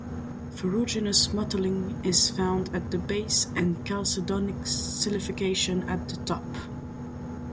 Ferruginous mottling is found at the base and chalcedonic silification at the top.